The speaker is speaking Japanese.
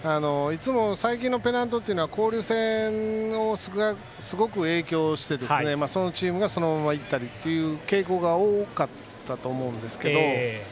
最近のペナントというのは交流戦がすごく影響してそのチームがそのままいったりという傾向が多かったと思うんですが。